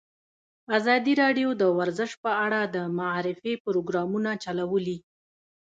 ازادي راډیو د ورزش په اړه د معارفې پروګرامونه چلولي.